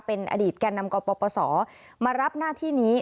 เป็นอดีตแก่นำกปศมารับหน้าที่นี้